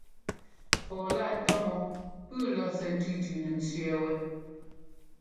Fɔɔ-láꞌ tɔ́ mɔ́ pʉ́ʉ lɔ̌ɔsɛ́ ńtʉ́tʉ́nɛ ńtẅɛ́ɛ wɛ́.